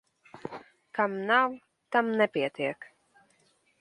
Kam nav, tam nepietiek.